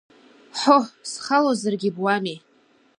Ҳоҳ, схалозаргьы буамеи!